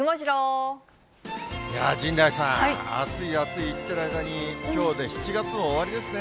陣内さん、暑い暑い言ってる間に、きょうで７月も終わりですね。